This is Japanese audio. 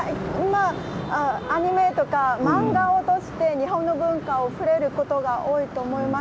アニメとか漫画を通して日本の文化に触れることが多いと思います。